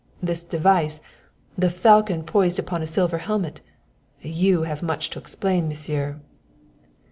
"This device the falcon poised upon a silver helmet! You have much to explain, Monsieur."